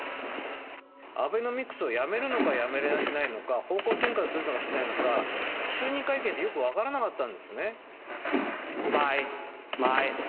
アベノミクスをやめるのかやめないのか、方向転換するのかしないのか、就任会見でよく分からなかったんですね。